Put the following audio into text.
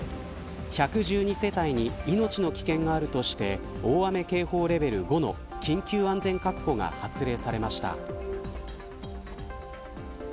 １１２世帯に命の危険があるとして大雨警報レベル５の緊急安全確保が発令されました。